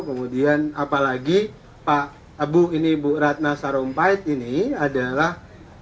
kemudian apalagi pak abu ini bu ratna sarumpait ini adalah